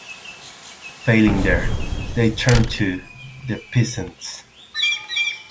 Failing there, they turned to the peasants.